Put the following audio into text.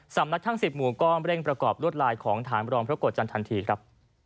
สำนักทั้ง๑๐หมู่ก็เร่งประกอบรวดลายของฐานรองพระโกรธจันทร์ทันทีครับ